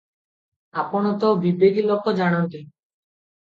ଆପଣ ତ ବିବେକୀ ଲୋକ, ଜାଣନ୍ତି ।